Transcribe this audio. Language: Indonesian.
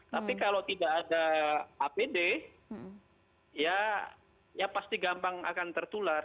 tapi kalau tidak ada apd ya pasti gampang akan tertular